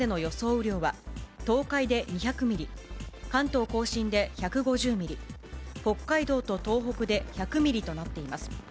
雨量は、東海で２００ミリ、関東甲信で１５０ミリ、北海道と東北で１００ミリとなっています。